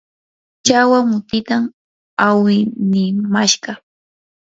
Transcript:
chawa mutitam awnimashqa.